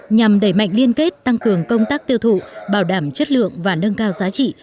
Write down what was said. nhằm đẩy mạnh liên kết tăng cường công tác tiêu thụ bảo đảm chất lượng và nâng cao giá trị